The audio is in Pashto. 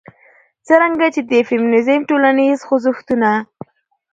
څرنګه چې د فيمنيزم ټولنيز خوځښتونه